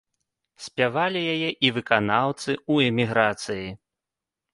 Спявалі яе і выканаўцы ў эміграцыі.